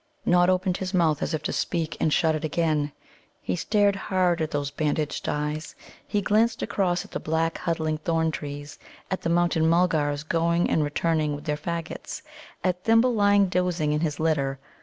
Nod opened his mouth as if to speak, and shut it again. He stared hard at those bandaged eyes. He glanced across at the black, huddling thorn trees; at the Mountain mulgars, going and returning with their faggots; at Thimble lying dozing in his litter.